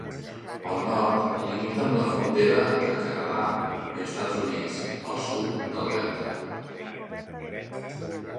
Al nord, limita amb la frontera entre Canadà i Estats Units al sud d'Alberta.